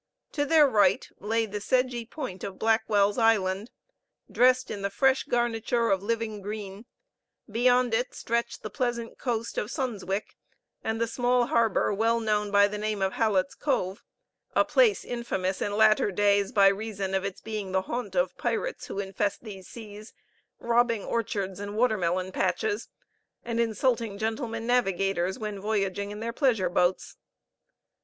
To their right lay the sedgy point of Blackwell's Island, dressed in the fresh garniture of living green; beyond it stretched the pleasant coast of Sundswick, and the small harbor well known by the name of Hallet's Cove a place infamous in latter days, by reason of its being the haunt of pirates who infest these seas, robbing orchards and water melon patches, and insulting gentlemen navigators when voyaging in their pleasure boats.